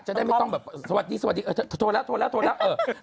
จะได้ไม่ต้องแบบสวัสดีถูกโทกลับแล้ว